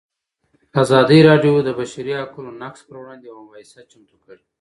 ازادي راډیو د د بشري حقونو نقض پر وړاندې یوه مباحثه چمتو کړې.